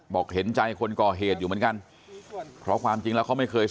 เห็นใจคนก่อเหตุอยู่เหมือนกันเพราะความจริงแล้วเขาไม่เคย